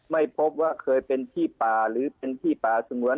ไม่พบว่าเคยเป็นที่ป่าหรือเป็นที่ป่าสงวน